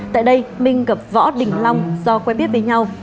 tại đây minh gặp võ đình long do quen biết với nhau